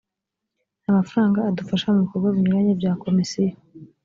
aya mafaranga adufasha mu bikorwa binyuranye bya komisiyo .